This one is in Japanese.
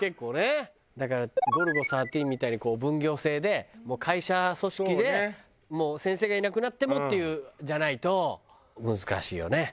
だから『ゴルゴ１３』みたいに分業制でもう会社組織で先生がいなくなってもっていうじゃないと難しいよね。